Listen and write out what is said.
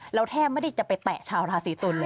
เราแทบไม่ได้จะไปแตะชาวราศีตุล